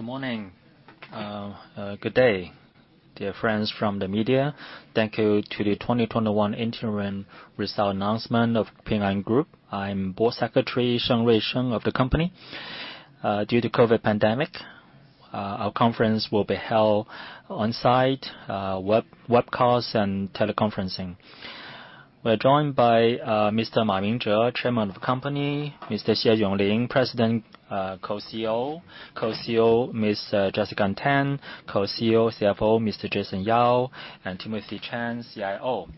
Good morning. Good day, dear friends from the media. Thank you to the 2021 interim result announcement of Ping An Group. I'm Board Secretary, Sheng Ruisheng of the company. Due to COVID pandemic, our conference will be held on-site, webcast, and teleconferencing. We're joined by Mr. Ma Mingzhe, Chairman of the company, Mr. Xie Yonglin, President Co-CEO, Co-CEO Ms. Jessica Tan, Co-CEO CFO Mr.Jason Yao and Timothy Chan, CIO.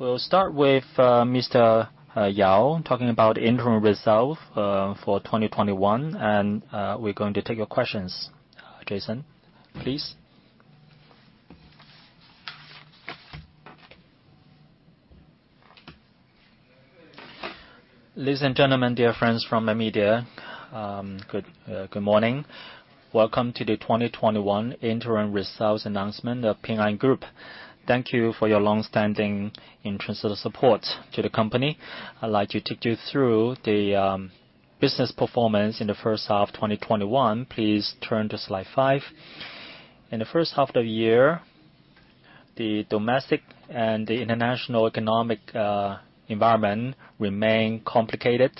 We'll start with Mr. Yao talking about interim results for 2021, and we're going to take your questions. Jason, please. Ladies and gentlemen, dear friends from the media, good morning. Welcome to the 2021 interim results announcement of Ping An Group. Thank you for your longstanding interest and support to the company. I'd like to take you through the business performance in the first half of 2021. Please turn to slide five. In the first half of the year, the domestic and the international economic environment remained complicated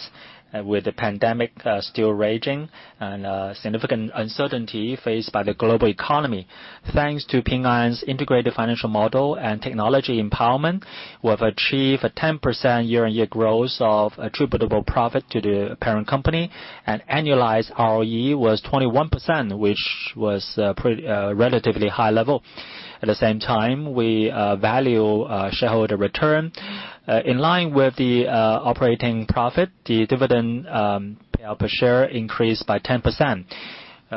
with the pandemic still raging and significant uncertainty faced by the global economy. Thanks to Ping An's integrated financial model and technology empowerment, we have achieved a 10% year-on-year growth of attributable profit to the parent company, and annualized ROE was 21%, which was relatively high level. At the same time, we value shareholder return. In line with the operating profit, the dividend [payout] per share increased by 10%,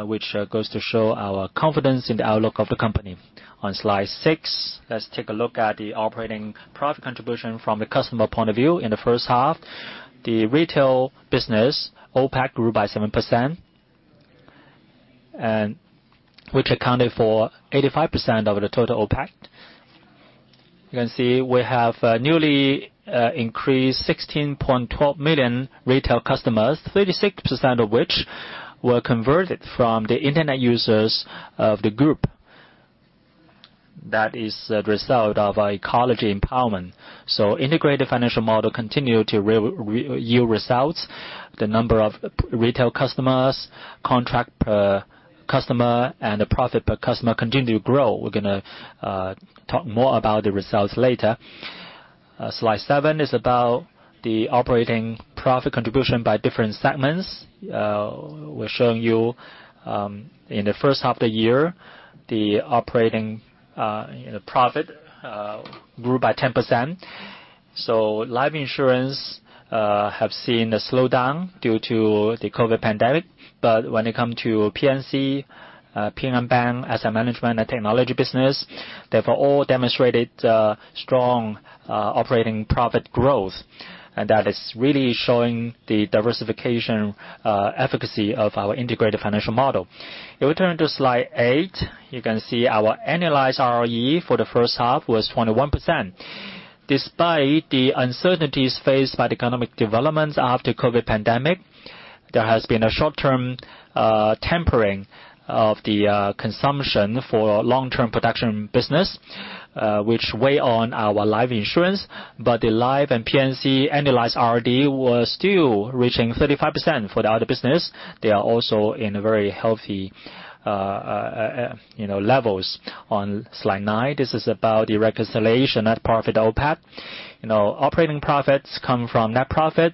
which goes to show our confidence in the outlook of the company. On slide six, let's take a look at the operating profit contribution from the customer point of view in the first half. The retail business OPAT grew by 7%, which accounted for 85% of the total OPAT. You can see we have newly increased 16.12 million retail customers, 36% of which were converted from the internet users of the group. That is a result of our ecology empowerment. Integrated financial model continued to yield results. The number of retail customers, contract per customer, and the profit per customer continue to grow. We're going to talk more about the results later. Slide seven is about the operating profit contribution by different segments. We're showing you in the first half of the year, the operating profit grew by 10%. Life Insurance have seen a slowdown due to the COVID pandemic, but when it comes to P&C, Ping An Bank, Asset Management, and Technology Business, they have all demonstrated strong operating profit growth. That is really showing the diversification efficacy of our integrated financial model. If we turn to slide eight, you can see our annualized ROE for the first half was 21%. Despite the uncertainties faced by the economic developments after COVID pandemic, there has been a short-term tempering of the consumption for long-term production business, which weigh on our Life Insurance. The Life and P&C annualized ROE was still reaching 35% for the other business. They are also in very healthy levels. On slide nine, this is about the reconciliation net profit OPAT. Operating profits come from net profit,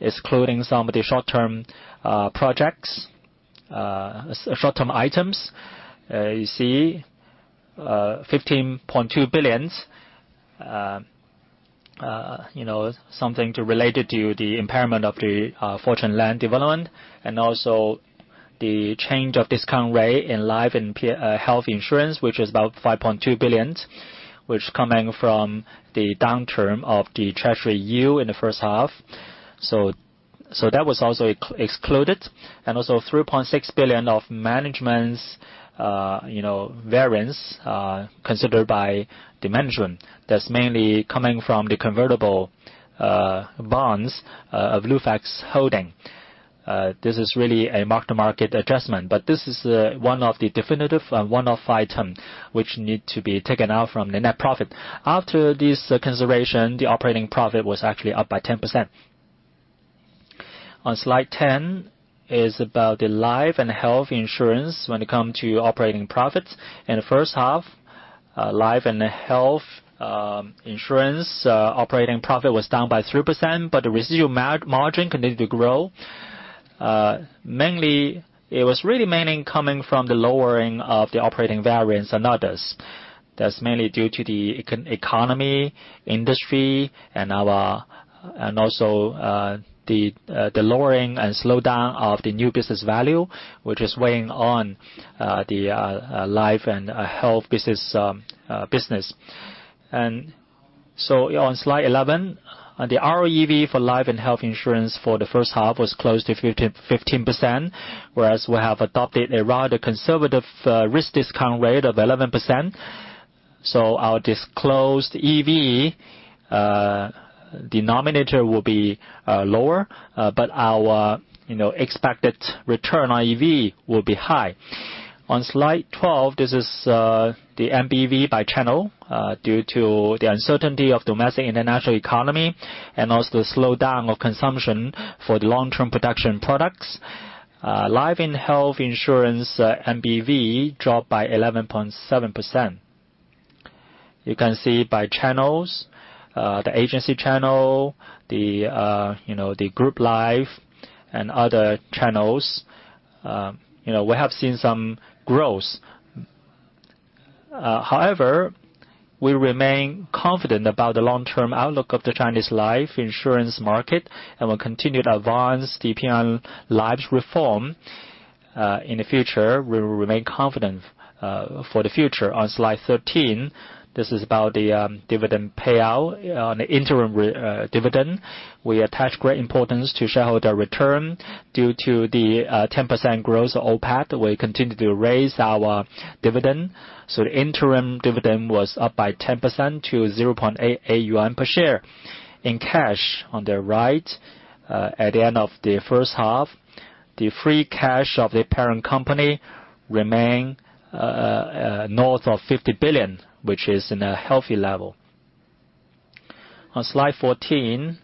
excluding some of the short-term projects, short-term items. You see 15.2 billion, something related to the impairment of the Fortune Land Development, and also the change of discount rate in Life and Health Insurance, which is about 5.2 billion, which is coming from the downturn of the Treasury yield in the first half. That was also excluded, and also 3.6 billion of management's variance considered by the management. That's mainly coming from the convertible bonds of Lufax Holding. This is really a mark-to-market adjustment, but this is one of the definitive one-off item which need to be taken out from the net profit. After this consideration, the operating profit was actually up by 10%. On slide 10 is about the Life and Health insurance when it comes to operating profits. In the first half, Life and Health insurance operating profit was down by 3%, but the residual margin continued to grow. It was really mainly coming from the lowering of the operating variance and others. That's mainly due to the economy, industry, and also the lowering and slowdown of the new business value, which is weighing on the Life and Health business. On slide 11, the ROEV for Life and Health insurance for the first half was close to 15%, whereas we have adopted a rather conservative risk discount rate of 11%. Our disclosed EV denominator will be lower, but our expected return on EV will be high. On slide 12, this is the NBV by channel. Due to the uncertainty of domestic international economy and also the slowdown of consumption for the long-term production products, Life and Health insurance NBV dropped by 11.7%. You can see by channels, the agency channel, the group life, and other channels. We have seen some growth. We remain confident about the long-term outlook of the Chinese Life insurance market, and we'll continue to advance the Ping An Life's reform. In the future, we will remain confident for the future. On slide 13, this is about the dividend payout on the interim dividend. We attach great importance to shareholder return. Due to the 10% growth of OPAT, we continue to raise our dividend. The interim dividend was up by 10% to 0.88 yuan per share. In cash, on the right, at the end of the first half, the free cash of the parent company remained north of 50 billion, which is in a healthy level. On slide 14,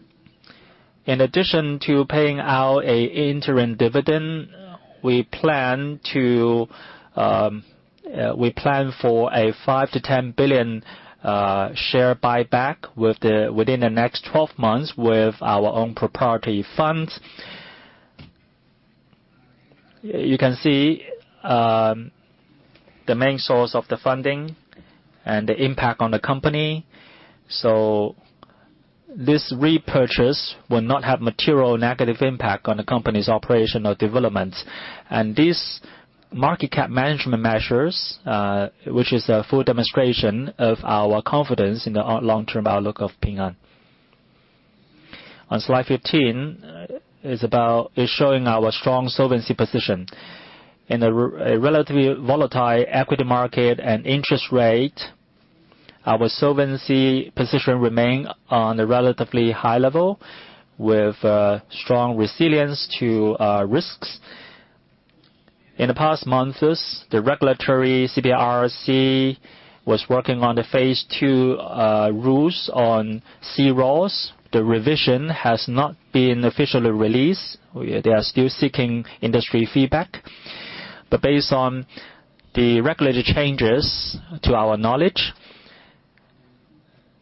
in addition to paying out an interim dividend, we plan for a 5 billion-10 billion share buyback within the next 12 months with our own proprietary funds. You can see the main source of the funding and the impact on the company. This repurchase will not have material negative impact on the company's operational developments. This market cap management measures, which is a full demonstration of our confidence in the long-term outlook of Ping An. On slide 15, it's showing our strong solvency position. In a relatively volatile equity market and interest rate, our solvency position remain on a relatively high level with strong resilience to risks. In the past months, the regulatory CBIRC was working on the Phase II rules on C-ROSS. The revision has not been officially released. They are still seeking industry feedback. Based on the regulatory changes to our knowledge,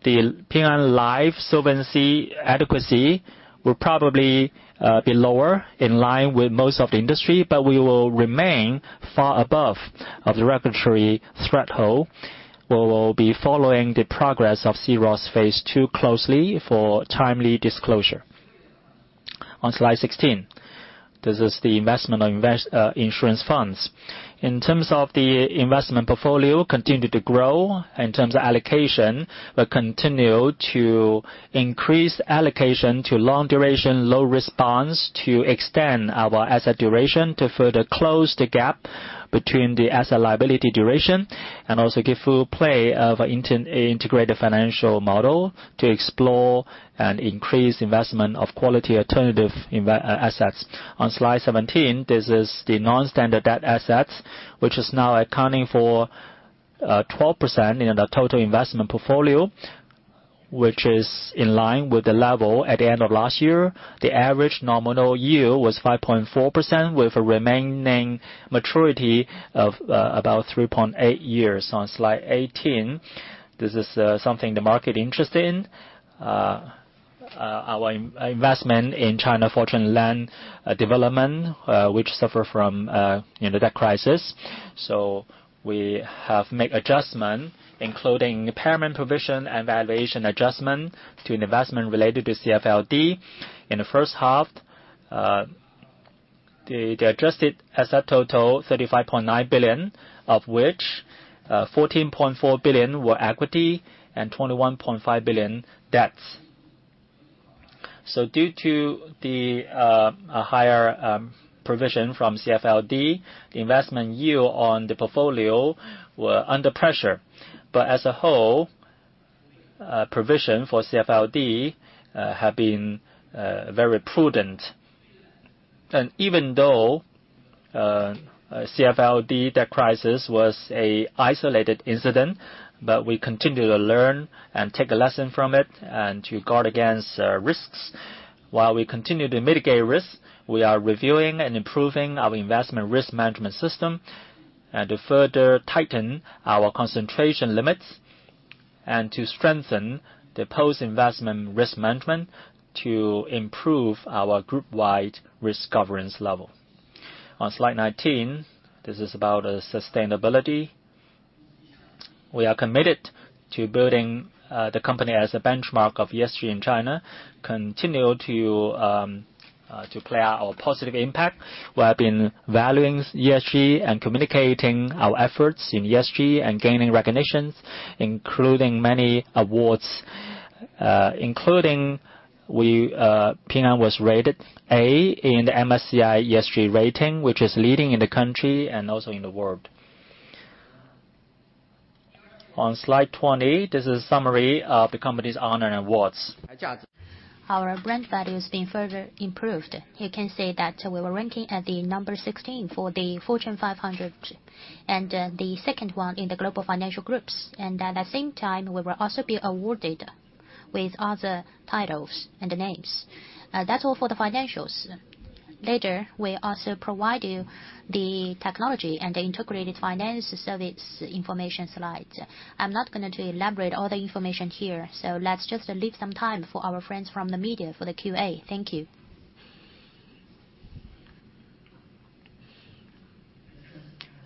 the Ping An Life solvency adequacy will probably be lower in line with most of the industry, but we will remain far above of the regulatory threshold. We will be following the progress of C-ROSS Phase II closely for timely disclosure. On slide 16, this is the investment on insurance funds. In terms of the Investment portfolio, continued to grow. In terms of allocation, we continue to increase allocation to long duration, low response to extend our asset duration to further close the gap between the asset liability duration and also give full play of integrated financial model to explore and increase investment of quality alternative assets. On slide 17, this is the non-standard debt assets, which is now accounting for 12% in the total investment portfolio, which is in line with the level at the end of last year. The average nominal yield was 5.4%, with a remaining maturity of about 3.8 years. On slide 18, this is something the market interested in. Our investment in China Fortune Land Development, which suffer from debt crisis. We have made adjustment, including impairment provision and valuation adjustment to an investment related to CFLD. In the first half, the adjusted asset total 35.9 billion, of which 14.4 billion were equity and 21.5 billion debts. Due to the higher provision from CFLD, the investment yield on the portfolio were under pressure. As a whole, provision for CFLD have been very prudent. Even though CFLD debt crisis was a isolated incident, but we continue to learn and take a lesson from it and to guard against risks. While we continue to mitigate risk, we are reviewing and improving our Investment Risk Management System and to further tighten our concentration limits and to strengthen the post-investment risk management to improve our group-wide risk governance level. On slide 19, this is about sustainability. We are committed to building the company as a benchmark of ESG in China, continue to play our positive impact. We have been valuing ESG and communicating our efforts in ESG and gaining recognitions, including many awards. Including Ping An was rated A in the MSCI ESG rating, which is leading in the country and also in the world. On slide 20, this is summary of the company's honor and awards. Our brand value has been further improved. You can see that we were ranking at the number 16 for the Fortune 500, and the second one in the global financial groups. At the same time, we will also be awarded with other titles and names. That's all for the financials. Later, we'll also provide you the technology and the integrated finance service information slide. I'm not going to elaborate all the information here, so let's just leave some time for our friends from the media for the QA. Thank you.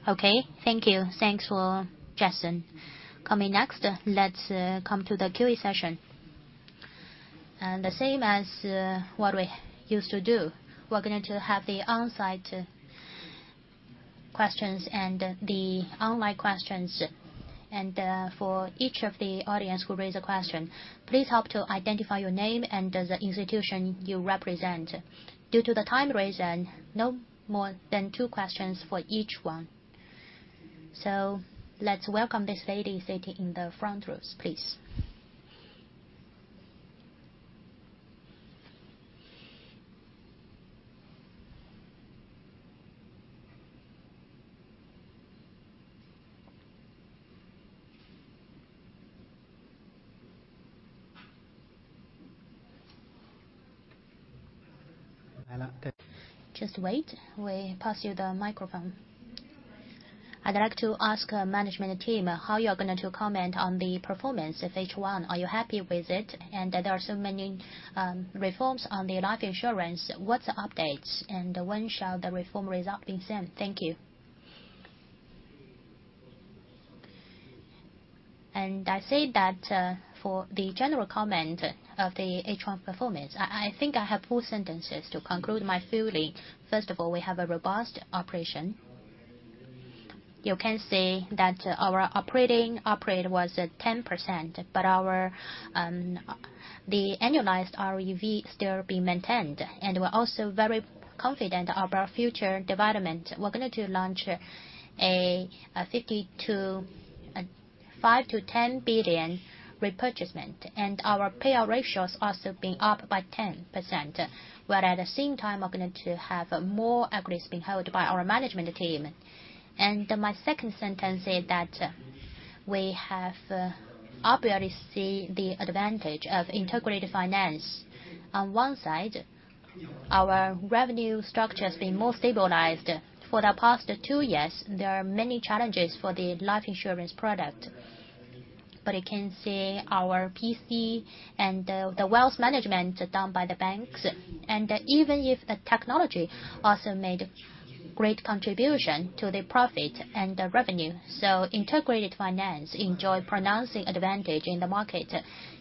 Okay. Thank you. Thanks for Jason. Coming next, let's come to the QA session. The same as what we used to do, we're going to have the on-site questions and the online questions. For each of the audience who raise a question, please help to identify your name and the institution you represent. Due to the time reason, no more than two questions for each one. let's welcome this lady sitting in the front rows, please. Just wait. We pass you the microphone. I'd like to ask management team how you're going to comment on the performance of H1. Are you happy with it? there are so many reforms on the life insurance. What's the updates and when shall the reform result be seen? Thank you. I say that for the general comment of the H1 performance, I think I have four sentences to conclude my feeling. First of all, we have a robust operation. You can see that our operating profit was at 10%, but the annualized ROE still be maintained, and we're also very confident of our future development. We're going to launch a 5 billion-10 billion repurchasement, our payout ratios also being up by 10%, where at the same time, we're going to have more equities being held by our management team. My second sentence is that we have obviously the advantage of integrated finance. On one side, our revenue structure has been more stabilized for the past two years. There are many challenges for the life insurance product. You can see our P&C and the Wealth Management done by the banks. Even if technology also made great contribution to the profit and the revenue, so Integrated Finance enjoy pronounced advantage in the market.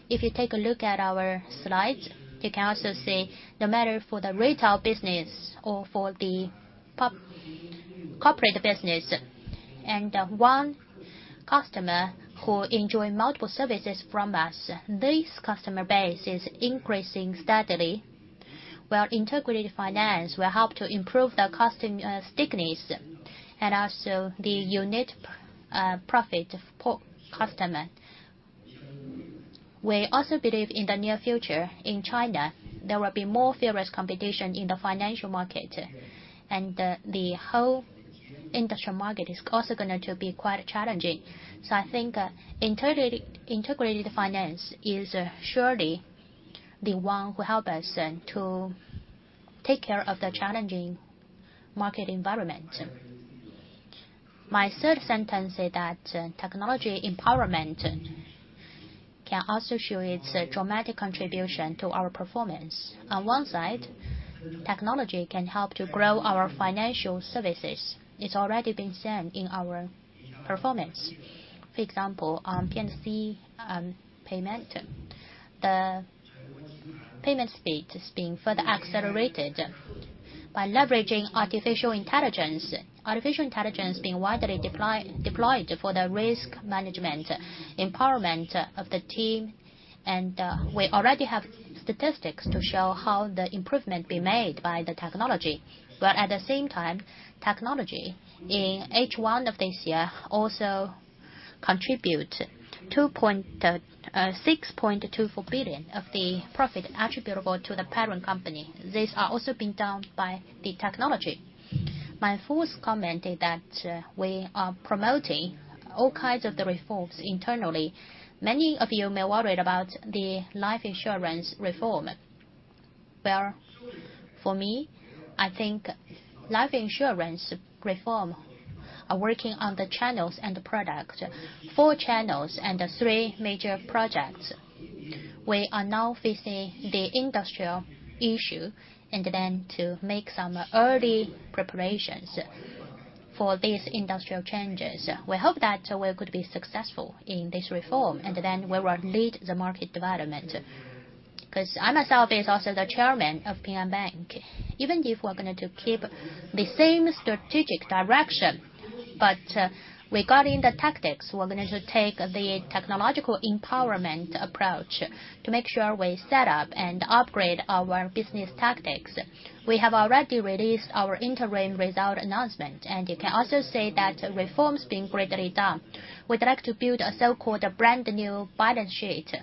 If you take a look at our slides, you can also see no matter for the retail business or for the corporate business, and one customer who enjoy multiple services from us, this customer base is increasing steadily. While Integrated Finance will help to improve the customer stickiness and also the unit profit per customer. We also believe in the near future in China, there will be more furious competition in the financial market. The whole industrial market is also going to be quite challenging. I think integrated finance is surely the one who help us to take care of the challenging market environment. My third sentence is that technology empowerment can also show its dramatic contribution to our performance. On one side, technology can help to grow our financial services. It's already been seen in our performance. For example, on P&C Payment, the payment speed is being further accelerated by leveraging artificial intelligence. Artificial intelligence being widely deployed for the risk management empowerment of the team. We already have statistics to show how the improvement be made by the technology. At the same time, technology in H1 of this year also contribute 6.24 billion of the profit attributable to the parent company. These are also being done by the technology. My fourth comment is that we are promoting all kinds of the reforms internally. Many of you may worry about the life insurance reform. Well, for me, I think life insurance reform are working on the channels and the product. Four channels and the three major projects. We are now facing the industrial issue, and then to make some early preparations for these industrial changes. We hope that we could be successful in this reform, and then we will lead the market development. Because I myself is also the Chairman of Ping An Bank. Even if we're going to keep the same strategic direction, regarding the tactics, we're going to take the technological empowerment approach to make sure we set up and upgrade our business tactics. We have already released our interim result announcement. You can also see that reforms being greatly done. We'd like to build a so-called brand new balance sheet.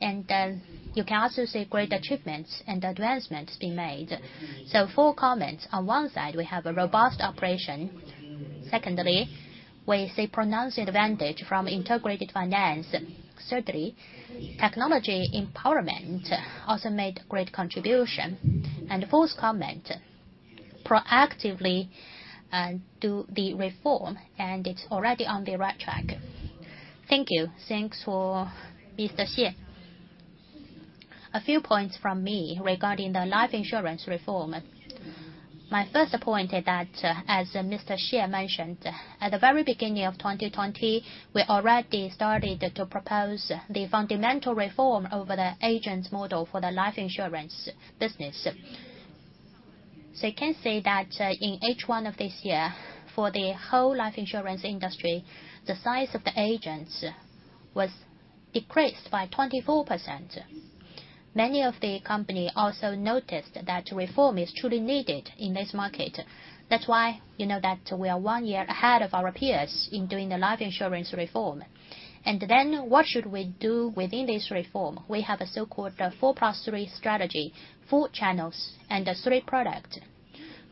You can also see great achievements and advancements being made. Four comments. On one side, we have a robust operation. Secondly, we see pronounced advantage from integrated finance. Thirdly, technology empowerment also made great contribution. Fourth comment, proactively do the reform. It's already on the right track. Thank you. Thanks for Mr. Xie. A few points from me regarding the life insurance reform. My first point is that, as Mr. Xie mentioned, at the very beginning of 2020, we already started to propose the fundamental reform over the agent model for the life insurance business. You can see that in H1 of this year, for the whole life insurance industry, the size of the agents was decreased by 24%. Many of the company also noticed that reform is truly needed in this market. That's why you know that we are one year ahead of our peers in doing the life insurance reform. What should we do within this reform? We have a so-called four plus three strategy, four channels and three product.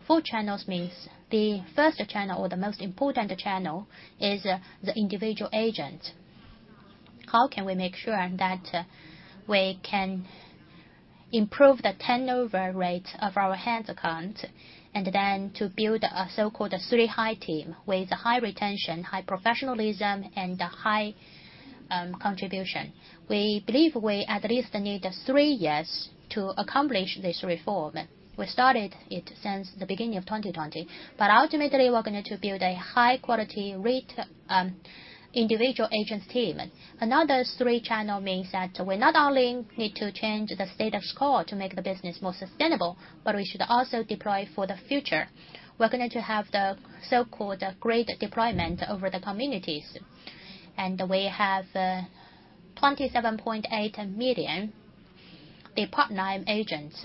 Four channels means the first channel or the most important channel is the individual agent. How can we make sure that we can improve the turnover rate of our headcount, then to build a so-called three high team with high retention, high professionalism, and high contribution? We believe we at least need three years to accomplish this reform. We started it since the beginning of 2020. Ultimately, we're going to build a high quality rate individual agent team. Another three channel means that we not only need to change the status quo to make the business more sustainable, but we should also deploy for the future. We're going to have the so-called grade deployment over the communities. We have 27.8 million part-time agents.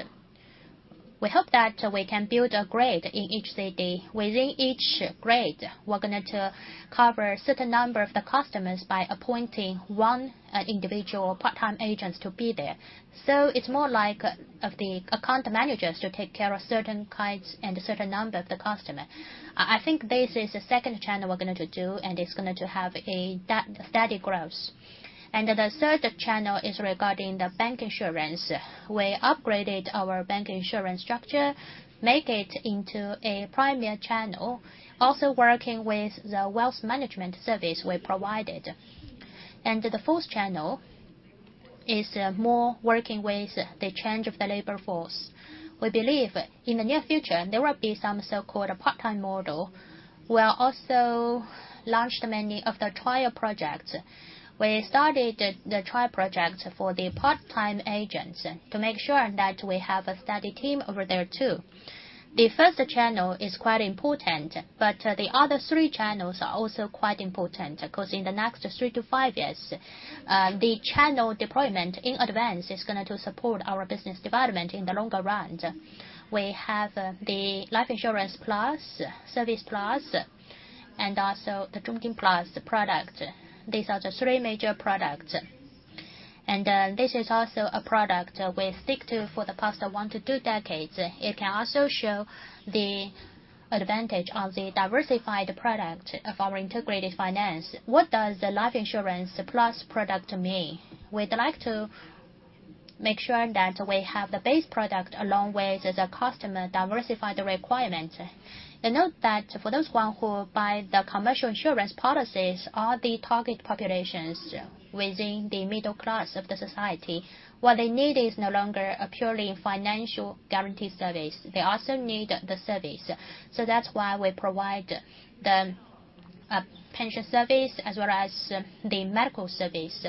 We hope that we can build a grade in each city. Within each grade, we're going to cover certain number of the customers by appointing one individual part-time agent to be there. It's more like of the Account Managers to take care of certain kinds and a certain number of the customer. I think this is the second channel we're going to do, and it's going to have a steady growth. The third channel is regarding the Bank Insurance. We upgraded our bank insurance structure, make it into a premier channel, also working with the Wealth Management service we provided. The fourth channel is more working with the change of the labor force. We believe in the near future, there will be some so-called part-time model. We are also launched many of the trial projects. We started the trial project for the part-time agents to make sure that we have a steady team over there, too. The first channel is quite important, but the other three channels are also quite important, because in the next three to five years, the channel deployment in advance is going to support our business development in the longer run. We have the Life Insurance Plus, Service+, and also the Chongqing Plus product. These are the three major products. This is also a product we stick to for the past one to two decades. It can also show the advantage of the diversified product of our integrated finance. What does the Life Insurance Plus product mean? We'd like to make sure that we have the base product along with the customer diversify the requirement. You note that for those one who buy the commercial insurance policies are the target populations within the middle class of the society. What they need is no longer a purely financial guarantee service. They also need the service. That's why we provide the pension service as well as the medical service.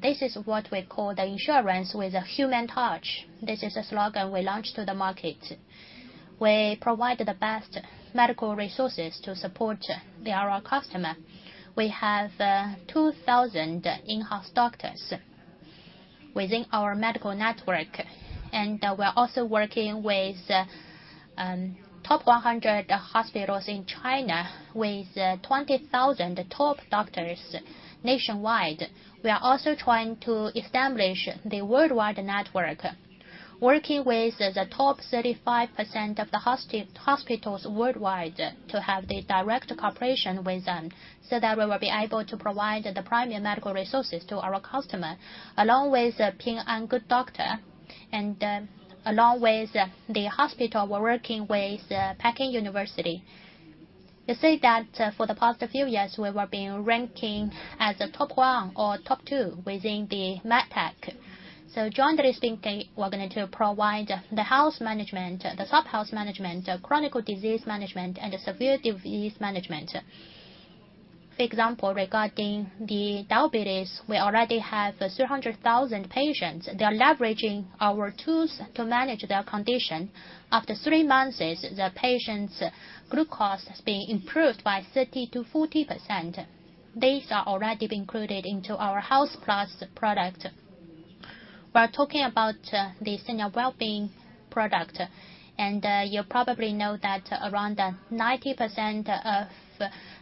This is what we call the insurance with a human touch. This is the slogan we launched to the market. We provide the best medical resources to support our customer. We have 2,000 in-house doctors within our medical network, and we're also working with top 100 hospitals in China with 20,000 top doctors nationwide. We are also trying to establish the worldwide network, working with the top 35% of the hospitals worldwide to have the direct cooperation with them so that we will be able to provide the primary medical resources to our customer, along with Ping An Good Doctor. Along with the hospital, we're working with Peking University. You see that for the past few years, we were being ranking as a top one or top two within the MedTech. Generally speaking, we're going to provide the health management, the sub-health management, the chronic disease management, and the severe disease management. For example, regarding diabetes, we already have 300,000 patients. They are leveraging our tools to manage their condition. After three months, the patient's glucose has been improved by 30%-40%. These are already included into our Health-plus product. We are talking about the senior well-being product, and you probably know that around 90% of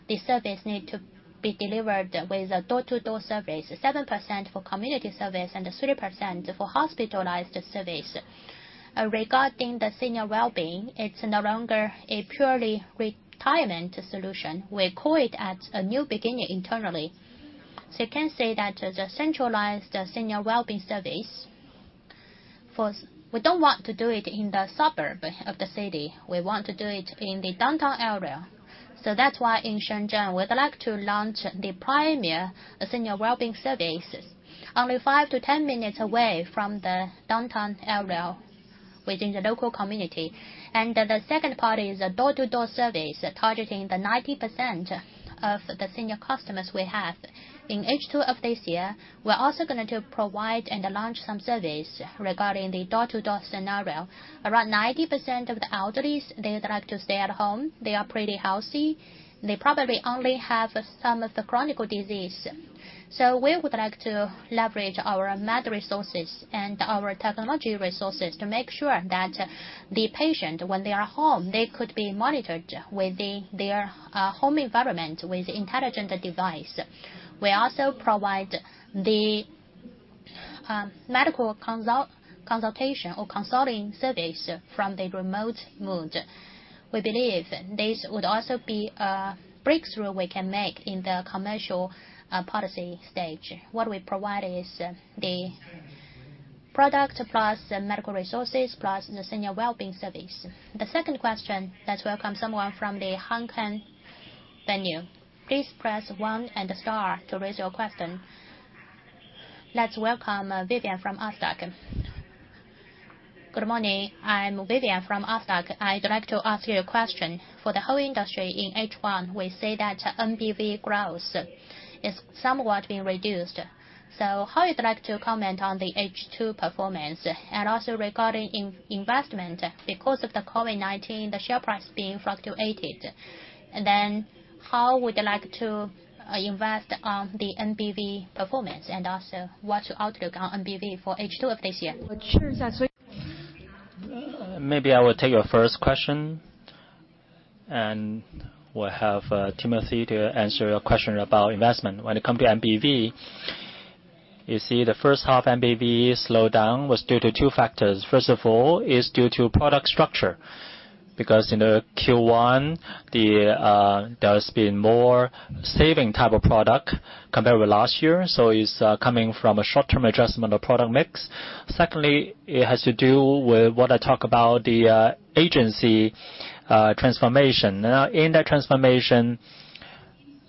the service need to be delivered with a door-to-door service, 7% for community service, and 3% for hospitalized service. Regarding senior well-being, it's no longer a purely retirement solution. We call it a new beginning internally. You can say that the centralized senior well-being service, we don't want to do it in the suburb of the city. We want to do it in the downtown area. That's why in Shenzhen, we'd like to launch the premier senior well-being services only 5-10 minutes away from the downtown area within the local community. The second part is a door-to-door service targeting the 90% of the senior customers we have. In H2 of this year, we're also going to provide and launch some service regarding the door-to-door scenario. Around 90% of the elderly, they like to stay-at-home. They are pretty healthy. They probably only have some chronic diseases. We would like to leverage our med resources and our technology resources to make sure that the patient, when they are home, they could be monitored within their home environment with intelligent device. We also provide medical consultation or consulting service from the remote mode. We believe this would also be a breakthrough we can make in the commercial policy stage. What we provide is the product plus medical resources plus the senior well-being service. The second question. Let's welcome someone from the Hong Kong venue. Please press one and the star to raise your question. Let's welcome [Vivian from Ostak]. Good morning. I'm [Vivian from Ostak]. I'd like to ask you a question. For the whole industry in H1, we see that NBV growth is somewhat being reduced. How would you like to comment on the H2 performance? Regarding investment. Because of the COVID-19, the share price being fluctuated. How would you like to invest on the NBV performance and also what's your outlook on NBV for H2 of this year? Maybe I will take your first question, and we'll have Timothy to answer your question about investment. When it comes to NBV, you see the first half NBV slowdown was due to two factors. It is due to product structure, because in Q1, there has been more saving type of product compared with last year. It is coming from a short-term adjustment of product mix. It has to do with what I talk about the agency transformation. In that transformation,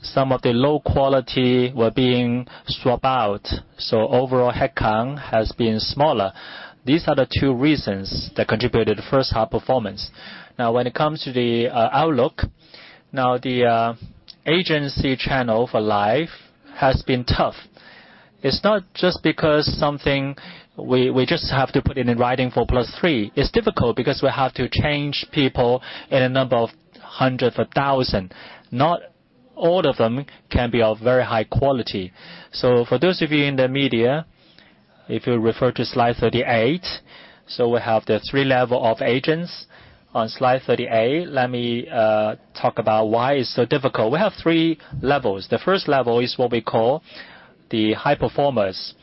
some of the low quality were being swapped out. Overall, headcount has been smaller. These are the two reasons that contributed to first half performance. When it comes to the outlook, now the agency channel for Life has been tough. It is not just because something we just have to put in writing for plus three. It is difficult because we have to change people in a number of hundreds of thousand. Not all of them can be of very high quality. For those of you in the media, if you refer to slide 38, we have the three level of agents on slide 38. Let me talk about why it is so difficult. We have three levels. The first level is what we call the high performers.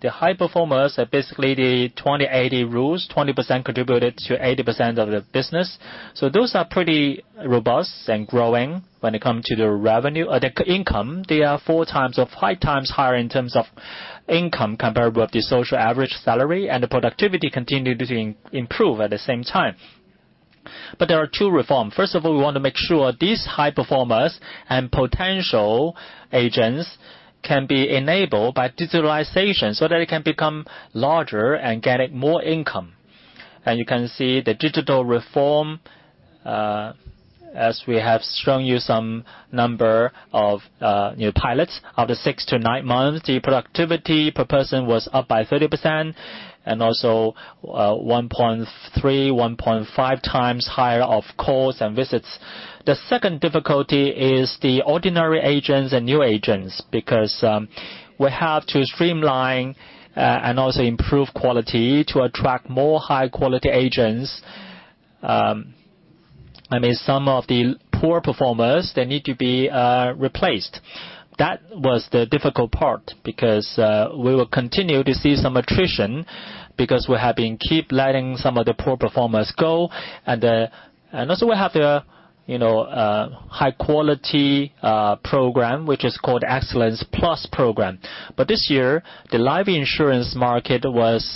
The high performers are basically the 20/80 rules, 20% contributed to 80% of the business. Those are pretty robust and growing when it comes to their income. They are 4x or 5x higher in terms of income comparable with the social average salary, and the productivity continued to improve at the same time. There are two reforms. First of all, we want to make sure these high performers and potential agents can be enabled by digitalization so that it can become larger and get more income. You can see the digital reform, as we have shown you some number of new pilots. After six to nine months, the productivity per person was up by 30%, and also 1.3x-1.5x higher of calls and visits. The second difficulty is the ordinary agents and new agents, because we have to streamline and also improve quality to attract more high-quality agents. Some of the poor performers, they need to be replaced. That was the difficult part because we will continue to see some attrition because we have been keep letting some of the poor performers go. Also we have a high-quality program, which is called Excellence+ program. This year, the life insurance market was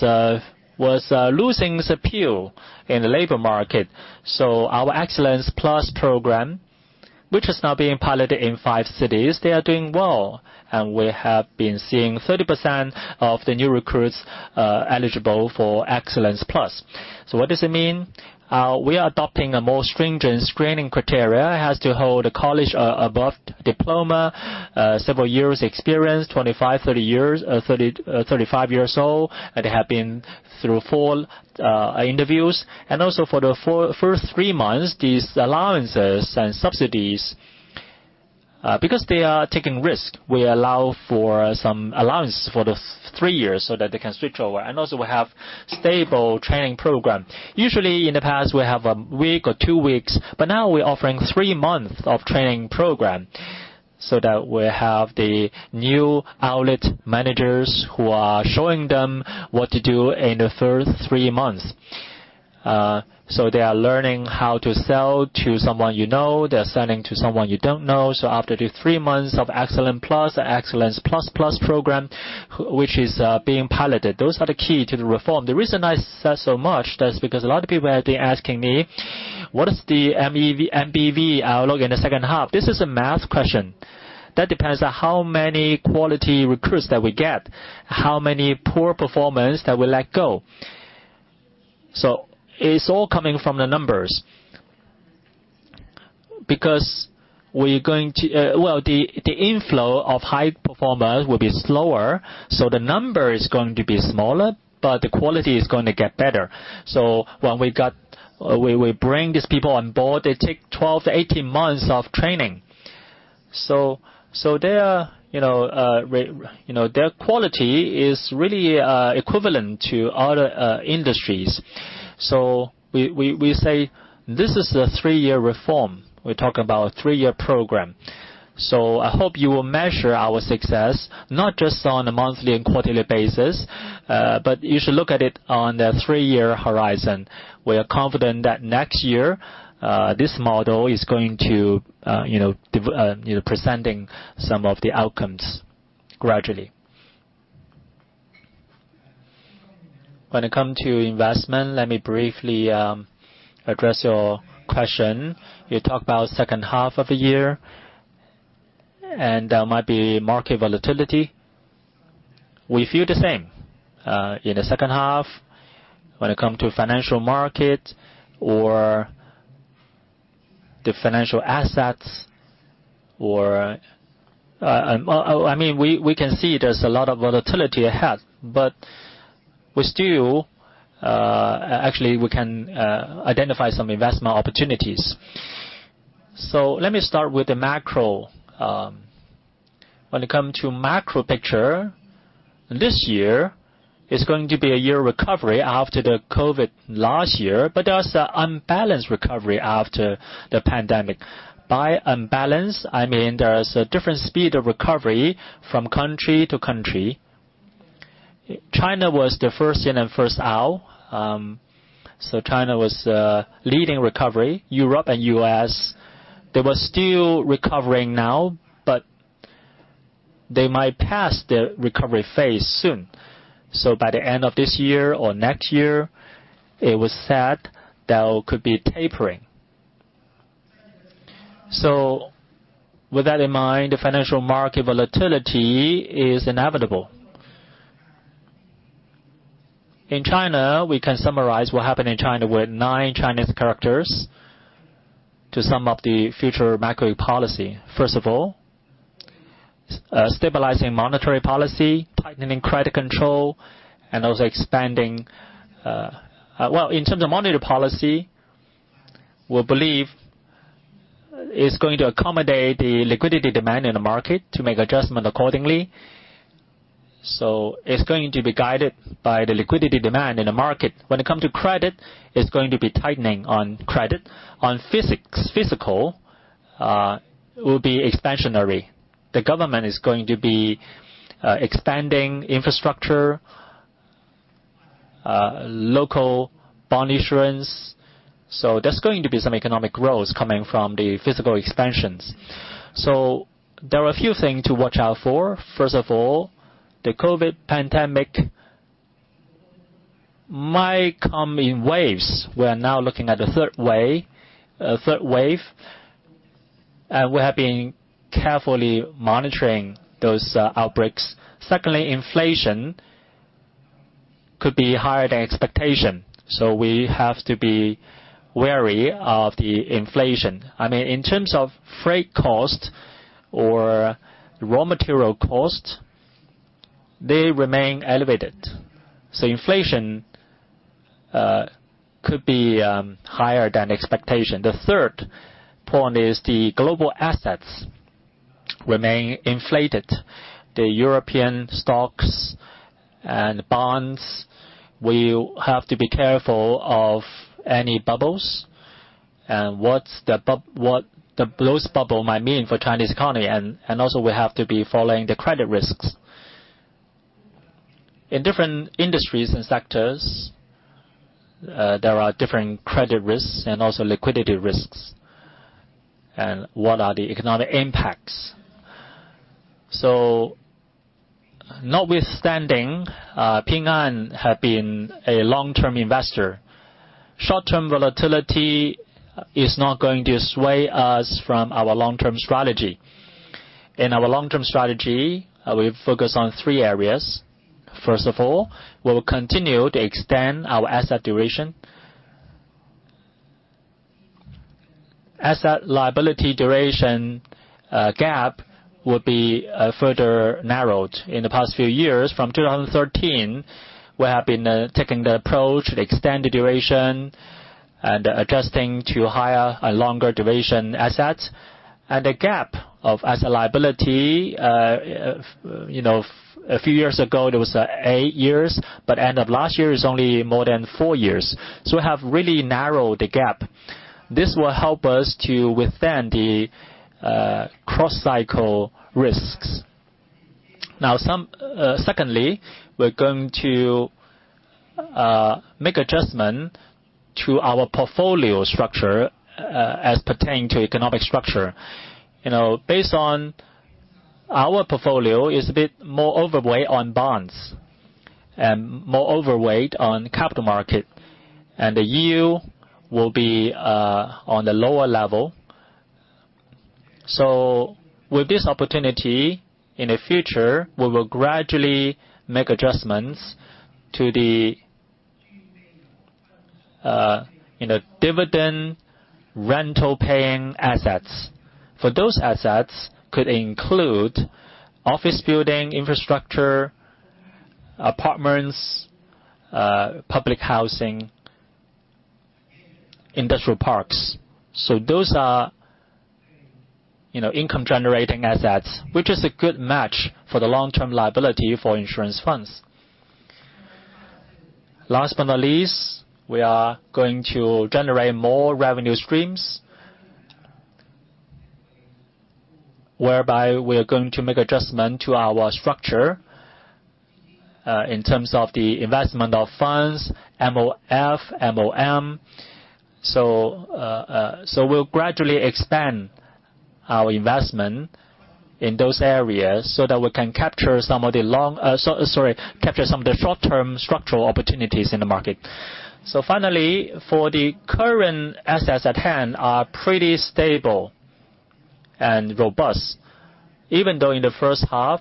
losing its appeal in the labor market. Our Excellence+ program, which is now being piloted in five cities. They are doing well, and we have been seeing 30% of the new recruits are eligible for Excellence+. What does it mean? We are adopting a more stringent screening criteria: has to hold a college above diploma, several years experience, 25-35 years old, and have been through four interviews. For the first three months, these allowances and subsidies, because they are taking risk, we allow for some allowance for the three years so that they can switch over. We have stable training program. Usually, in the past, we have a week or two weeks. Now we're offering three months of training program so that we have the new outlet managers who are showing them what to do in the first three months. They are learning how to sell to someone you know, they're selling to someone you don't know. After the three months of Excellence+, Excellence++ program, which is being piloted. Those are the key to the reform. The reason I said so much, that's because a lot of people have been asking me, what is the NBV outlook in the second half? This is a math question. That depends on how many quality recruits that we get, how many poor performance that we let go. It's all coming from the numbers. The inflow of high performers will be slower, so the number is going to be smaller, but the quality is going to get better. When we bring these people on board, they take 12-18 months of training. Their quality is really equivalent to other industries. We say, this is a three-year reform. We're talking about a three-year program. I hope you will measure our success, not just on a monthly and quarterly basis, but you should look at it on the three-year horizon. We are confident that next year, this model is going to presenting some of the outcomes gradually. When it come to investment, let me briefly address your question. You talk about second half of the year, and there might be market volatility. We feel the same. In the second half, when it come to financial market or the financial assets, we can see there's a lot of volatility ahead. Actually, we can identify some investment opportunities. Let me start with the macro. When it come to macro picture, this year is going to be a year of recovery after the COVID last year. There's a unbalanced recovery after the pandemic. By unbalanced, I mean there is a different speed of recovery from country to country. China was the first in and first out. China was leading recovery. Europe and U.S., they were still recovering now. They might pass the recovery phase soon. By the end of this year or next year, it was said there could be tapering. With that in mind, the financial market volatility is inevitable. In China, we can summarize what happened in China with nine Chinese characters to sum up the future macro policy. First of all, stabilizing monetary policy, tightening credit control, and also expanding. Well, in terms of monetary policy, we believe it's going to accommodate the liquidity demand in the market to make adjustment accordingly. It's going to be guided by the liquidity demand in the market. When it come to credit, it's going to be tightening on credit. On fiscal, will be expansionary. The government is going to be expanding infrastructure, local bond issuance. There's going to be some economic growth coming from the fiscal expansions. There are a few things to watch out for. First of all, the COVID pandemic might come in waves. We are now looking at the third wave. We have been carefully monitoring those outbreaks. Secondly, inflation could be higher than expectation. We have to be wary of the inflation. In terms of freight cost or raw material cost, they remain elevated. Inflation could be higher than expectation. The third point is the global assets remain inflated. The European stocks and bonds, we have to be careful of any bubbles and what those bubbles might mean for Chinese economy. We have to be following the credit risks. In different industries and sectors, there are different credit risks and also liquidity risks. What are the economic impacts? Notwithstanding, Ping An have been a long-term investor. Short-term volatility is not going to sway us from our long-term strategy. In our long-term strategy, we focus on three areas. First of all, we will continue to extend our asset duration. Asset liability duration gap will be further narrowed. In the past few years from 2013, we have been taking the approach to extend the duration and adjusting to higher and longer duration assets. The gap of asset liability, a few years ago it was eight years, but end of last year is only more than four years. We have really narrowed the gap. This will help us to withstand the cross-cycle risks. Now secondly, we're going to make adjustment to our portfolio structure as pertaining to economic structure. Based on our portfolio is a bit more overweight on bonds and more overweight on capital market. The yield will be on the lower level. With this opportunity, in the future, we will gradually make adjustments to the dividend rental-paying assets. For those assets could include office building, infrastructure, apartments, public housing, industrial parks. Those are income-generating assets, which is a good match for the long-term liability for insurance funds. Last but not least, we are going to generate more revenue streams whereby we are going to make adjustment to our structure, in terms of the investment of funds, FOF, MOM. We'll gradually expand our investment in those areas so that we can capture some of the short-term structural opportunities in the market. Finally, for the current assets at hand are pretty stable and robust. Even though in the first half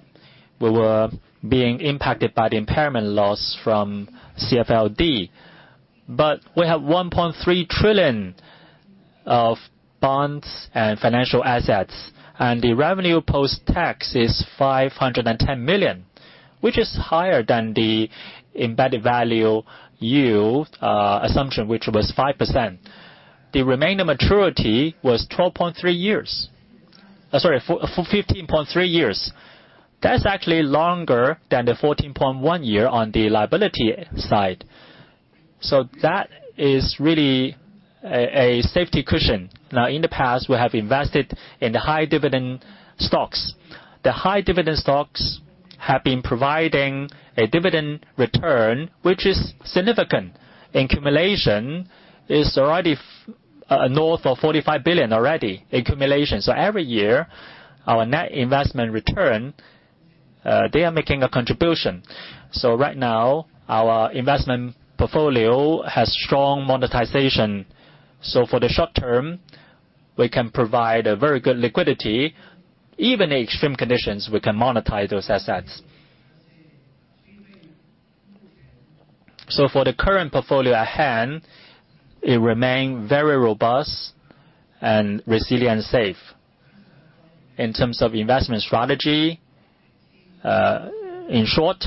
we were being impacted by the impairment loss from CFLD. We have 1.3 trillion of bonds and financial assets, and the revenue post-tax is 510 million, which is higher than the embedded value yield assumption, which was 5%. The remaining maturity was 15.3 Years. That's actually longer than the 14.1 year on the liability side. That is really a safety cushion. In the past, we have invested in the high dividend stocks. The high dividend stocks have been providing a dividend return, which is significant. Accumulation is already north of 45 billion. Every year, our net investment return, they are making a contribution. Right now, our investment portfolio has strong monetization. For the short term, we can provide a very good liquidity. Even in extreme conditions, we can monetize those assets. For the current portfolio at hand, it remain very robust and resilient, safe. In terms of investment strategy, in short,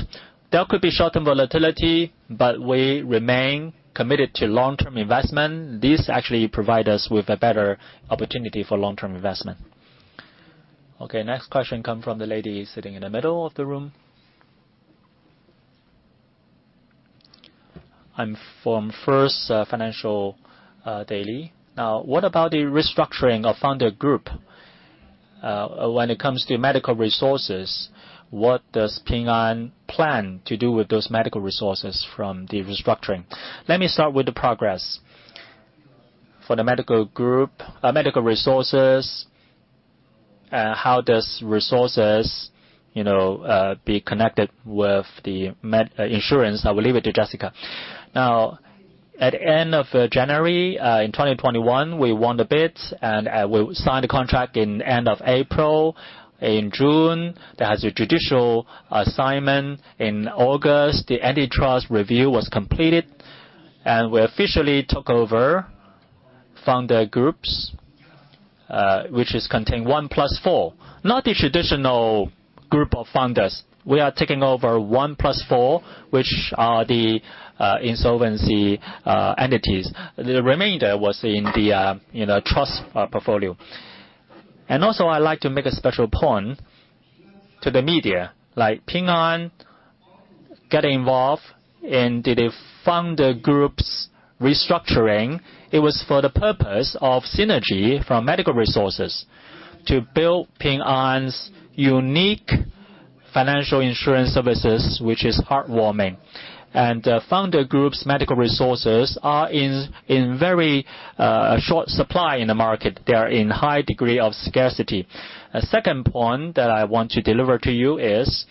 there could be short-term volatility, we remain committed to long-term investment. This actually provide us with a better opportunity for long-term investment. Next question come from the lady sitting in the middle of the room. I'm from First Financial Daily. Now, what about the restructuring of Founder Group? When it comes to medical resources, what does Ping An plan to do with those medical resources from the restructuring? Let me start with the progress. For the medical resources, how does resources be connected with the insurance? I will leave it to Jessica. Now, at end of January in 2021, we won the bid, and we signed a contract in end of April. In June, there was a judicial assignment. In August, the antitrust review was completed. We officially took over Founder Group, which is contained one plus four. Not the traditional group of founders. We are taking over one plus four, which are the insolvency entities. The remainder was in the trust portfolio. Also, I like to make a special point to the media, like Ping An got involved in the Founder Group restructuring. It was for the purpose of synergy from medical resources to build Ping An's unique financial insurance services, which is heartwarming. Founder Group's medical resources are in very short supply in the market. They are in high degree of scarcity. A second point that I want to deliver to you is,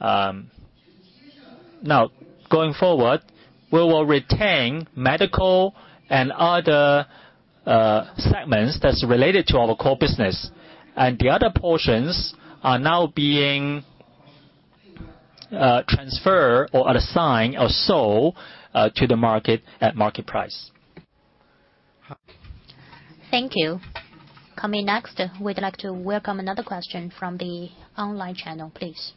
now, going forward, we will retain medical and other segments that's related to our core business. The other portions are now being transferred or assigned or sold to the market at market price. Thank you. Coming next, we'd like to welcome another question from the online channel, please.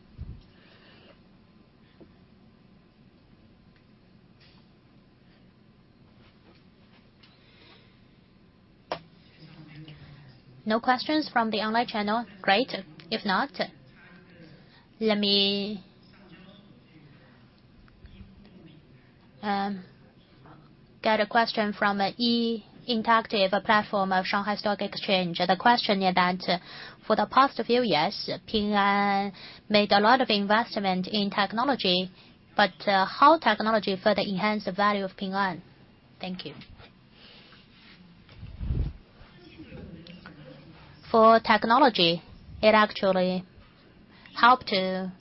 No questions from the online channel? Great. If not, let me get a question from SSE e-interactive, a platform of Shanghai Stock Exchange. The question is that, for the past few years, Ping An made a lot of investment in technology, but how technology further enhance the value of Ping An? Thank you. For technology, it actually help to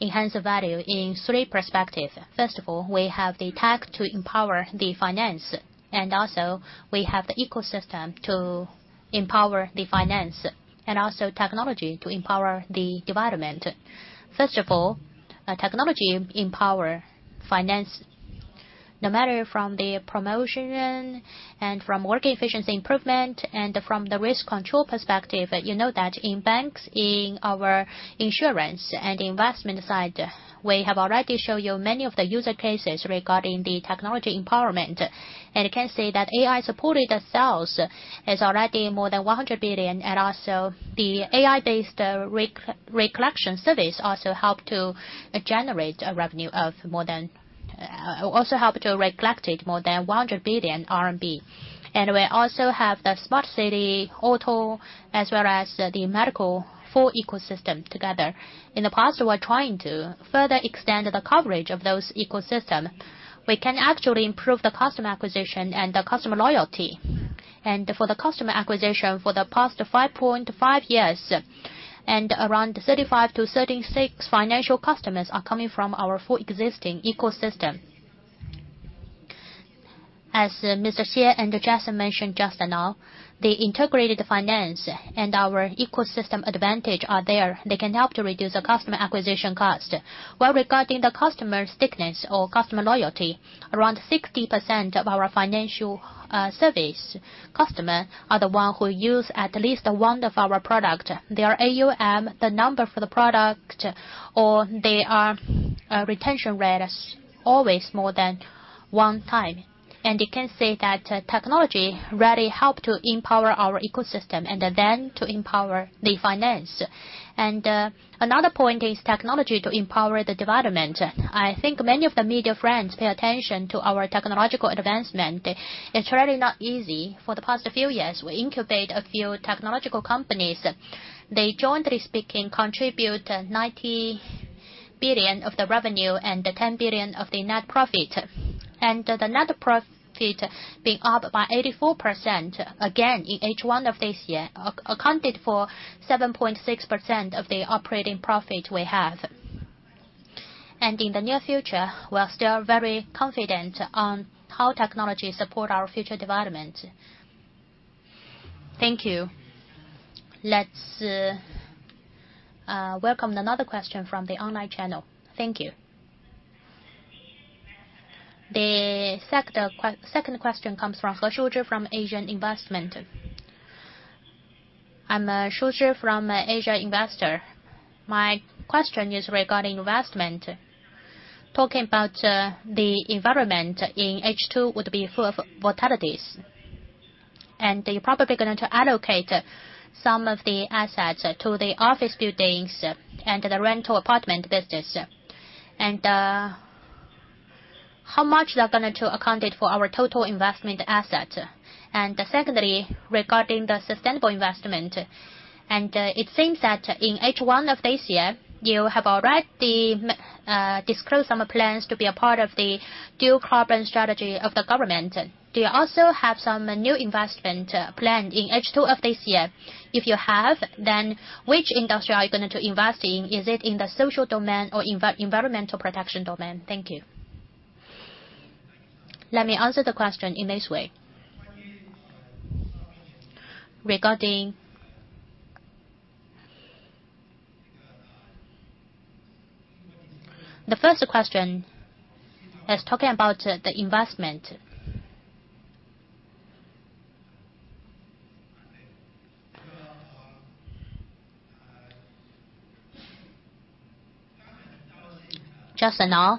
enhance the value in three perspective. First of all, we have the tech to empower the finance, and also we have the ecosystem to empower the finance, and also technology to empower the development. First of all, technology empower finance, no matter from the promotion and from work efficiency improvement and from the risk control perspective. You know that in banks, in our insurance and investment side, we have already shown you many of the use cases regarding the technology empowerment. You can see that AI-supported sales is already more than 100 billion, and also the AI-based re-collection service also help to collect more than 100 billion RMB. We also have the Smart City auto, as well as the medical four ecosystem together. In the past, we're trying to further extend the coverage of those ecosystem. We can actually improve the customer acquisition and the customer loyalty. For the customer acquisition, for the past 5.5 years, and around 35-36 financial customers are coming from our four existing ecosystem. As Mr. Xie and Jason mentioned just now, the integrated finance and our ecosystem advantage are there. They can help to reduce the customer acquisition cost. Regarding the customer stickiness or customer loyalty, around 60% of our financial service customer are the one who use at least one of our product. Their AUM, the number for the product, or their retention rate is always more than one time. You can say that technology really help to empower our ecosystem and then to empower the finance. Another point is technology to empower the development. I think many of the media friends pay attention to our technological advancement. It's really not easy. For the past few years, we incubate a few technological companies. They jointly contribute 90 billion of the revenue and 10 billion of the net profit. The net profit being up by 84%, again, in H1 of this year, accounted for 7.6% of the operating profit we have. In the near future, we are still very confident on how technology support our future development. Thank you. Let's welcome another question from the online channel. Thank you. The second question comes from He Shusi from [Asian Investment]. I'm Shusi from AsianInvestor. My question is regarding investment. Talking about the environment in H2 would be full of volatilities, and you're probably going to allocate some of the assets to the office buildings and the rental apartment business. How much they're going to account for our total investment asset? Secondly, regarding the sustainable investment, and it seems that in H1 of this year, you have already disclosed some plans to be a part of the de-carbon strategy of the government. Do you also have some new investment plan in H2 of this year? If you have, then which industry are you going to invest in? Is it in the social domain or environmental protection domain? Thank you. Let me answer the question in this way. Regarding the first question, is talking about the investment. Just now,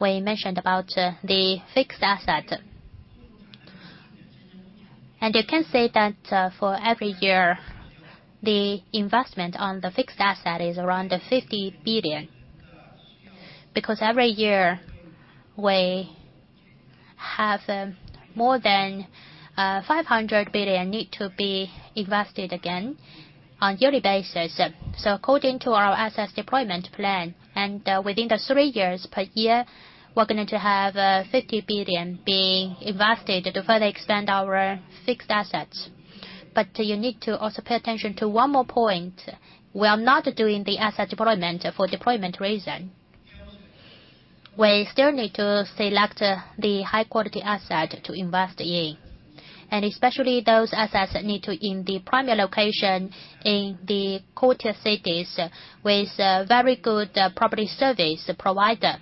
we mentioned about the fixed asset. You can say that for every year, the investment on the fixed asset is around 50 billion. Every year we have more than 500 billion need to be invested again on yearly basis. According to our assets deployment plan, within the three years per year, we're going to have 50 billion being invested to further extend our fixed assets. You need to also pay attention to one more point. We are not doing the asset deployment for deployment reason. We still need to select the high-quality asset to invest in, especially those assets that need to be in the primary location in the tier cities with a very good property service provider.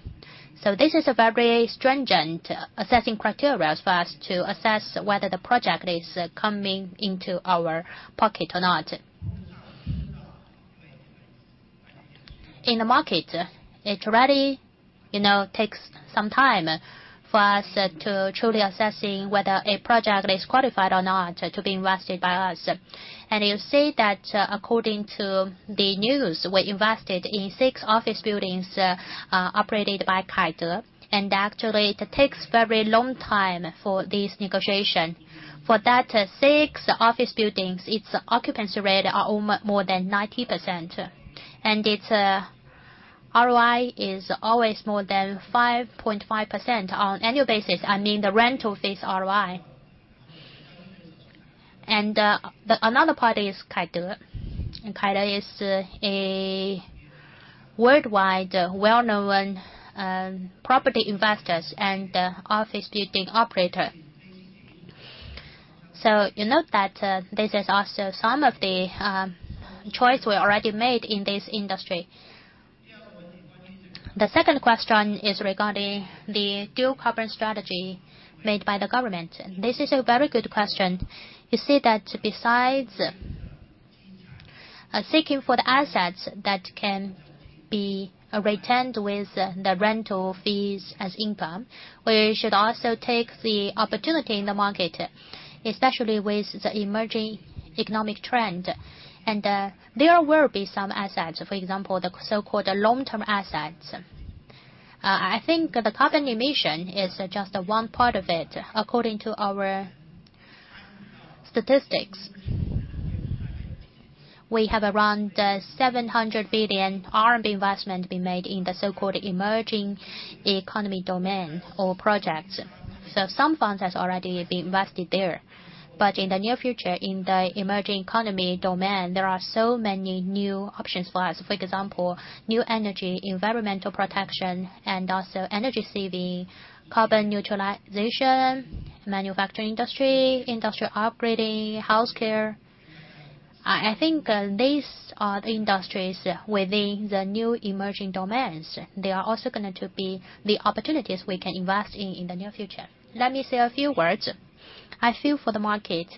This is a very stringent assessment criteria for us to assess whether the project is coming into our pocket or not. In the market, it already takes some time for us to truly assess whether a project is qualified or not to be invested by us. You see that according to the news, we invested in six office buildings operated by [CapitaLand], actually it takes very long time for this negotiation. For that six office buildings, its occupancy rate is more than 90%, its ROI is always more than 5.5% on annual basis. I mean, the rental fees ROI. Another party is [CapitaLand] is a worldwide well-known property investors and office building operator. You note that this is also some of the choice we already made in this industry. The second question is regarding the dual carbon goals made by the government. This is a very good question. You see that besides seeking for the assets that can be retained with the rental fees as income, we should also take the opportunity in the market, especially with the emerging economic trend. There will be some assets, for example, the so-called long-term assets. I think the carbon emission is just one part of it according to our statistics. We have around 700 billion RMB investment being made in the so-called emerging economy domain or projects. Some funds has already been invested there. In the near future, in the emerging economy domain, there are so many new options for us. For example, new energy, environmental protection, and also energy saving, carbon neutralization, manufacturing industry, industrial upgrading, healthcare. I think these are the industries within the new emerging domains. They are also going to be the opportunities we can invest in the near future. Let me say a few words. I feel for the market.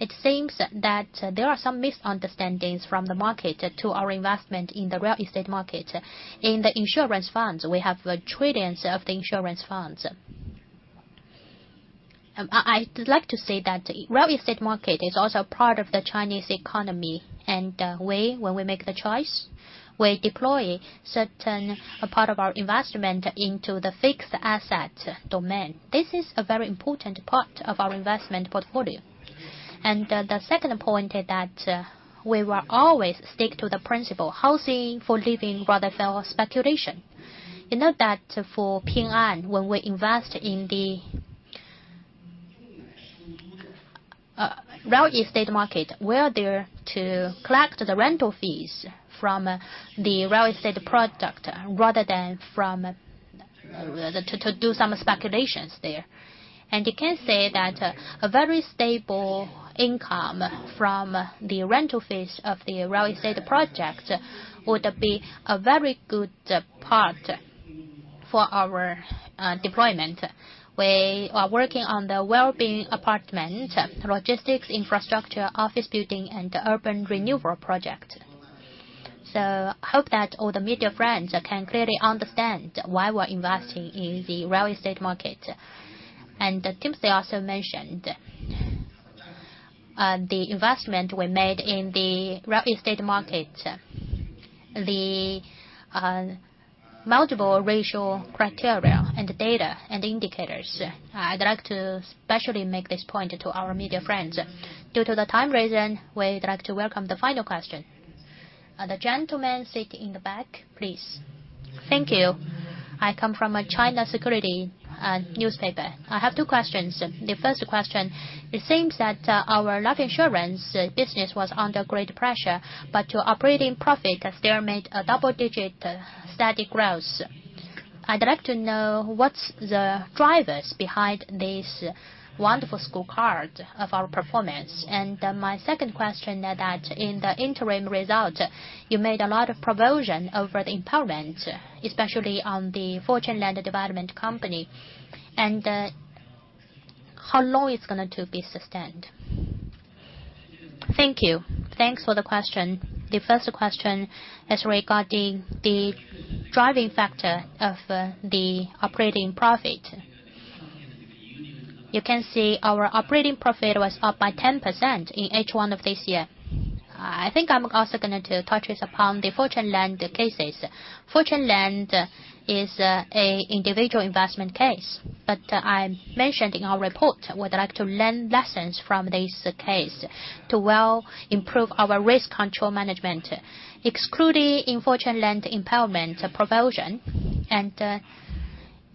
It seems that there are some misunderstandings from the market to our investment in the real estate market. In the insurance funds, we have trillions of the insurance funds. I'd like to say that real estate market is also part of the Chinese economy, and we, when we make the choice, we deploy certain part of our investment into the fixed asset domain. This is a very important part of our investment portfolio. The second point is that we will always stick to the principle, housing for living rather than speculation. You note that for Ping An, when we invest in the real estate market, we are there to collect the rental fees from the real estate product rather than to do some speculations there. You can say that a very stable income from the rental fees of the real estate project would be a very good part for our deployment. We are working on the well-being apartment, logistics infrastructure, office building, and urban renewal project. Hope that all the media friends can clearly understand why we're investing in the real estate market. Timothy also mentioned the investment we made in the real estate market, the multiple ratio criteria and data and indicators. I'd like to especially make this point to our media friends. Due to the time reason, we'd like to welcome the final question. The gentleman sitting in the back, please. Thank you. I come from a China Securities Newspaper. I have two questions. The first question, it seems that our life insurance business was under great pressure, but your operating profit has still made a double-digit steady growth. I'd like to know what's the drivers behind this wonderful scorecard of our performance. My second question is that in the interim result, you made a lot of provision over the impairment, especially on the Fortune Land Development Company. How long it's going to be sustained? Thank you. Thanks for the question. The first question is regarding the driving factor of the operating profit. You can see our operating profit was up by 10% in H1 of this year. I think I'm also going to touch upon the Fortune Land cases. Fortune Land is an individual investment case, but I mentioned in our report we would like to learn lessons from this case to well improve our risk control management. Excluding Fortune Land impairment provision and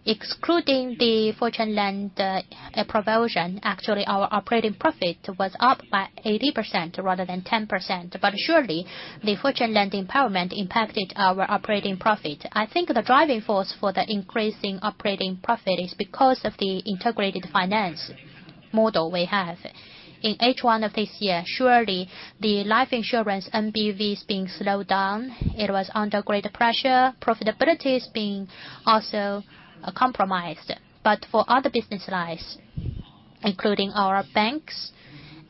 excluding the Fortune Land provision, actually, our operating profit was up by 18% rather than 10%, but surely the Fortune Land impairment impacted our operating profit. I think the driving force for the increasing operating profit is because of the integrated finance model we have. In H1 of this year, surely the life insurance NBV is being slowed down. It was under greater pressure. Profitability is being also compromised. For other business lines, including our banks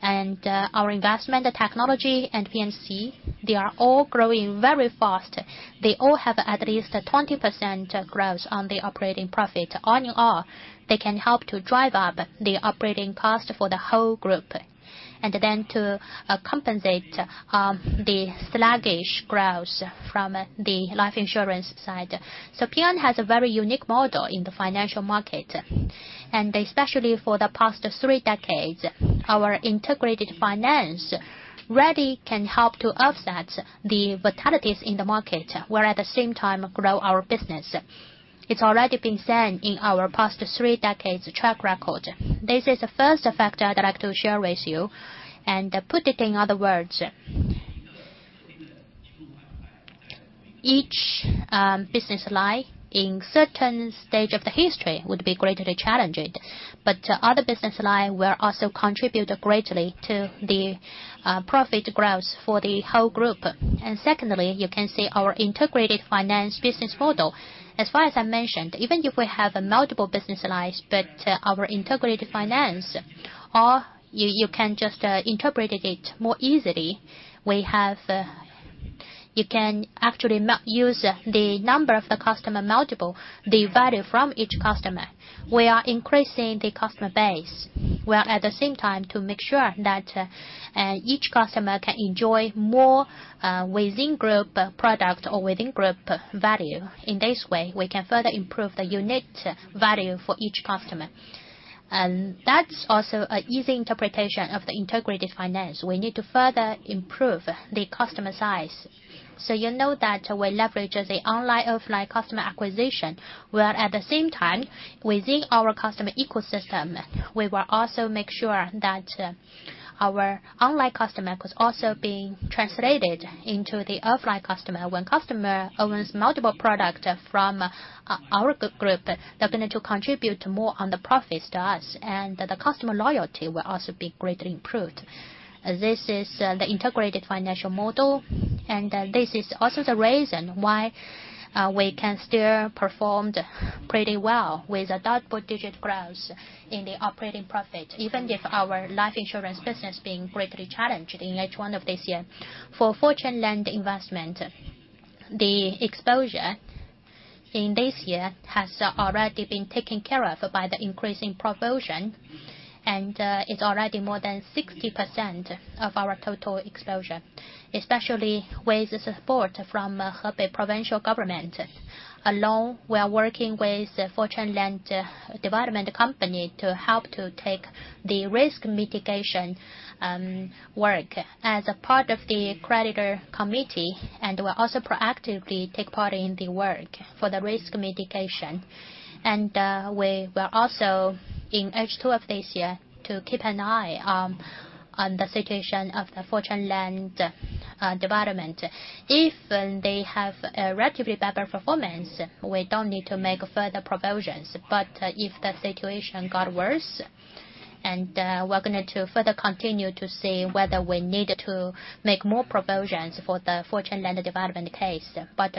and our investment technology and P&C, they are all growing very fast. They all have at least a 20% growth on the operating profit. On RoR, they can help to drive up the operating cost for the whole group, and then to compensate the sluggish growth from the life insurance side. Ping An has a very unique model in the financial market, and especially for the past three decades, our integrated finance really can help to offset the volatilities in the market, while at the same time grow our business. It's already been seen in our past three decades track record. This is the first factor I'd like to share with you, and put it in other words. Each business line in certain stage of the history would be greatly challenged, but other business line will also contribute greatly to the profit growth for the whole group. Secondly, you can see our integrated finance business model. As far as I mentioned, even if we have multiple business lines, our integrated finance, or you can just interpret it more easily. You can actually use the number of the customer multiple, the value from each customer. We are increasing the customer base, while at the same time to make sure that each customer can enjoy more within group product or within group value. In this way, we can further improve the unit value for each customer. That's also an easy interpretation of the integrated finance. We need to further improve the customer size. You know that we leverage the online, offline customer acquisition, while at the same time within our customer ecosystem, we will also make sure that our online customer was also being translated into the offline customer. When customer owns multiple products from our group, they're going to contribute more on the profits to us, and the customer loyalty will also be greatly improved. This is the integrated financial model, and this is also the reason why we can still perform pretty well with a double-digit growth in the operating profit, even if our life insurance business being greatly challenged in H1 of this year. For Fortune Land investment, the exposure in this year has already been taken care of by the increasing provision, and it's already more than 60% of our total exposure. Especially with the support from Hebei provincial government. [Also], we are working with Fortune Land Development Company to help to take the risk mitigation work as a part of the creditor committee and will also proactively take part in the work for the risk mitigation. We will also in H2 of this year to keep an eye on the situation of the Fortune Land Development. If they have a relatively better performance, we don't need to make further provisions. If the situation got worse, we're going to further continue to see whether we need to make more provisions for the Fortune Land Development case.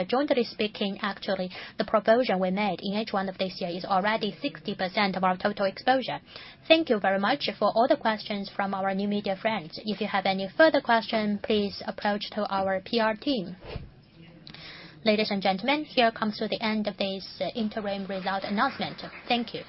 Jointly speaking, actually, the provision we made in H1 of this year is already 60% of our total exposure. Thank you very much for all the questions from our new media friends. If you have any further question, please approach to our PR team. Ladies and gentlemen, here comes to the end of this interim result announcement. Thank you.